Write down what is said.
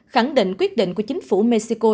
khẳng định quyết định của chính phủ mexico